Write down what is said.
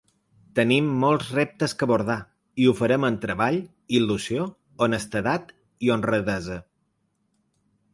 Tenim molts reptes que abordar i ho farem amb treball, il·lusió, honestedat i honradesa.